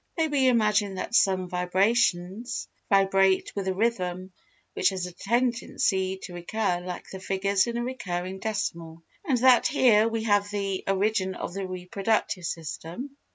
(May we imagine that some vibrations vibrate with a rhythm which has a tendency to recur like the figures in a recurring decimal, and that here we have the origin of the reproductive system?)